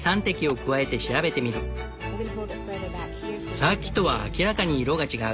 さっきとは明らかに色が違う。